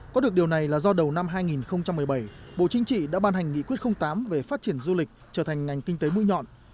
có được điều này là do đầu năm hai nghìn một mươi bảy bộ chính trị đã ban hành nghị quyết tám về phát triển du lịch trở thành ngành kinh tế mũi nhọn